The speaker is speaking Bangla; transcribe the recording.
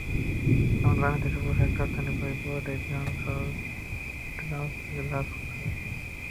কারণ বাংলাদেশের পোশাক রপ্তানির প্রায় পুরোটাই চট্টগ্রাম থেকে জাহাজে করে যায়।